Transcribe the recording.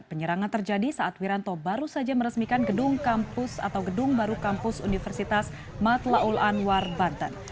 penyerangan terjadi saat wiranto baru saja meresmikan gedung kampus atau gedung baru kampus universitas matlaul anwar banten